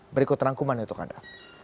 berikut rangkuman untuk anda